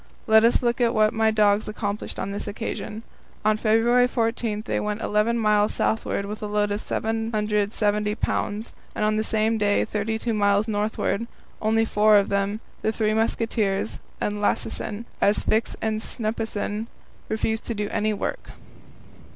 Let us look at what my dogs accomplished on this occasion: On February 14 they went eleven miles southward with a load of 770 pounds, and on the same day thirty two miles northward only four of them, the "Three Musketeers" and Lassesen, as Fix and Snuppesen refused to do any work.